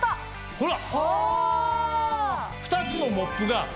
ほら。